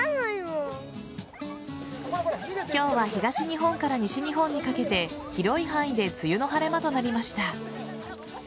今日は東日本から西日本にかけて広い範囲で梅雨の晴れ間となりました。